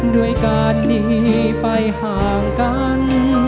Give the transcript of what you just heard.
ด้วยการหนีไปห่างกัน